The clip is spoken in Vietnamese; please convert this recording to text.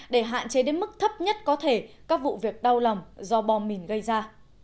để hạn chế đến mức thấp nhất có thể các vụ việc đau lòng do bom mìn gây ra